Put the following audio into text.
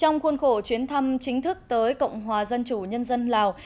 trong khuôn khổ chuyến thăm chính thức tới cộng hòa dân chủ nhân dân lào